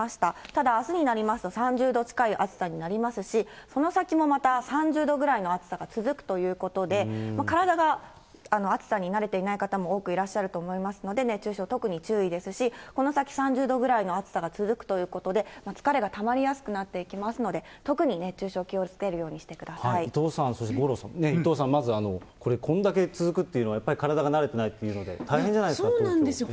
ただあすになりますと、３０度近い暑さになりますし、この先もまた、３０度ぐらいの暑さが続くということで、体が暑さに慣れていない方も多くいらっしゃると思いますので、熱中症、特に注意ですし、この先３０度ぐらいの暑さが続くということで、疲れがたまりやすくなっていきますので、特に熱中症、伊藤さん、そして五郎さん、伊藤さん、まずこれだけ続くというのは、体が慣れてないというのそうなんですよ。